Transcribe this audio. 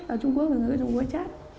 ở trung quốc là người dùng wechat